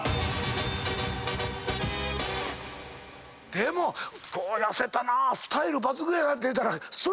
でも痩せたなスタイル抜群やなって言うたら。